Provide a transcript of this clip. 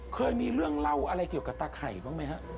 เคยมีเรื่องเล่าอะไรเกี่ยวกับตะไข่บ้างไหมครับ